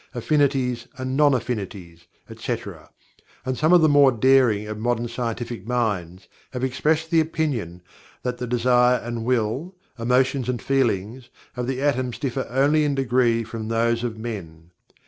"affinities and non affinities," etc., and some of the more daring of modern scientific minds have expressed the opinion that the desire and will, emotions and feelings, of the atoms differ only in degree from those of men.